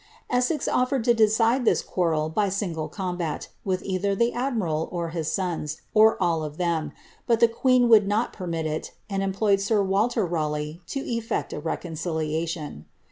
Essex offered to decide this quarrel by single combat, with either the admiral or his sons, or all of them, but the queen would not permit it, and employed sir Walter Raleigh, to effect a reconciliation.